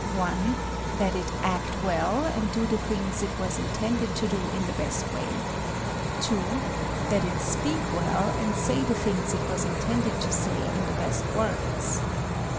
That it act well, and do the things it was intended to do in the best way. 2. That it speak well, and say the things it was intended to say in the best words.